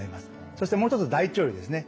そしてもう一つ大腸兪ですね。